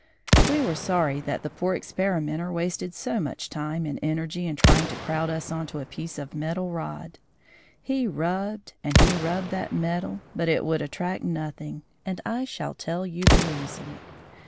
We were sorry that the poor experimenter wasted so much time and energy in trying to crowd us on to a piece of metal rod. He rubbed and he rubbed that metal, but it would attract nothing, and I shall tell you the reason.